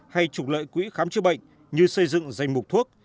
hay trục lợi quỹ khám chữa bệnh như xây dựng danh mục thuốc